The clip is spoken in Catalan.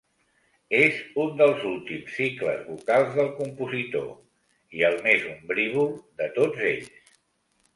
És un dels últims cicles vocals del compositor i el més ombrívol de tots ells.